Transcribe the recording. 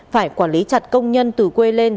phải quản lý chặt công nhân từ quê lên